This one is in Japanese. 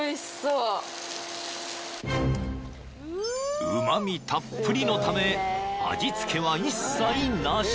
［うま味たっぷりのため味付けは一切なし］